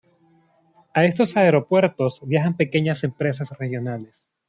A estos aeropuertos viajan pequeñas empresas regionales.